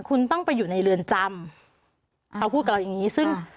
คุณต้องไปอยู่ในเรือนจำเขาพูดกับเราอย่างงี้ซึ่ง